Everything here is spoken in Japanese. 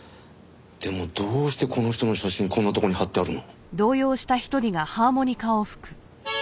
でもどうしてこの人の写真こんなとこに貼ってあるの？